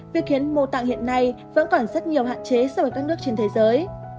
việc hiến mô tạng hiện nay vẫn còn rất nhiều hạn chế so với các nước trên thế giới